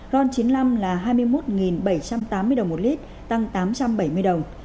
ron chín mươi năm là hai mươi một bảy trăm tám mươi đồng một lít tăng tám trăm bảy mươi đồng